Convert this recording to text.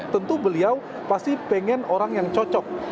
tentu beliau pasti pengen orang yang cocok